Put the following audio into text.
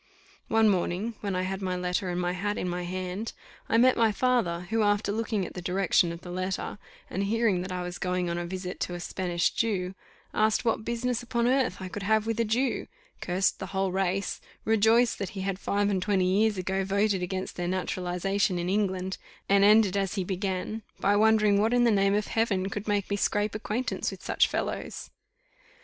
One morning, when I had my letter and my hat in my hand, I met my father, who after looking at the direction of the letter, and hearing that I was going on a visit to a Spanish Jew, asked what business upon earth I could have with a Jew cursed the whole race rejoiced that he had five and twenty years ago voted against their naturalization in England, and ended as he began, by wondering what in the name of Heaven could make me scrape acquaintance with such fellows.